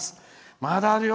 まだあるよ。